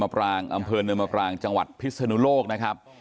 อำเพลงเนิมปลางจังหวัดพฤษฎรูโลกนะครับ